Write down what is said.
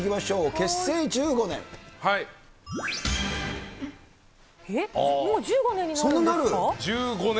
結成１５年。